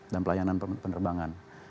dan pelayanan penerbangan